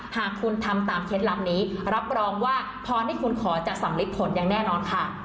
หากคุณทำตามเคล็ดลับนี้รับรองว่าพรที่คุณขอจะสำลิดผลอย่างแน่นอนค่ะ